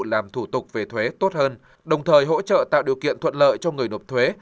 làm thủ tục về thuế tốt hơn đồng thời hỗ trợ tạo điều kiện thuận lợi cho người nộp thuế